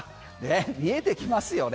見えてきますよね。